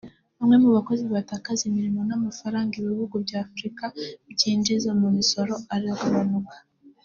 bamwe mu bakozi batakaza imirimo n’amafaranga ibihugu bya Afurika byinjizaga mu misoro aragabanuka